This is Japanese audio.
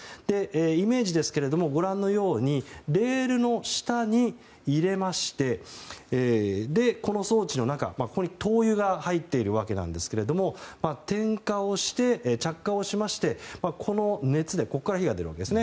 イメージですけれどもご覧のようにレールの下に入れましてで、この装置の中灯油が入っているわけなんですが点火して着火しましてここから火が出るわけですね。